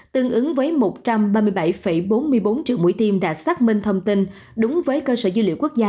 tương ứng với một trăm ba mươi bảy bốn mươi bốn triệu mũi tiêm đã xác minh thông tin đúng với cơ sở dữ liệu quốc gia